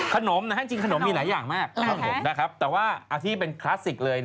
ขนมนะฮะจริงขนมมีหลายอย่างมากแต่ว่าเอาที่เป็นคลาสสิกเลย